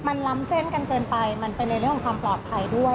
มันล้ำเส้นกันเกินไปมันเป็นในเรื่องของความปลอดภัยด้วย